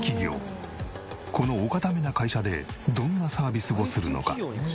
このお堅めな会社でどんなサービスをするのか？